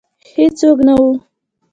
هیڅوک نه وه